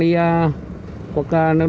xin cảm ơn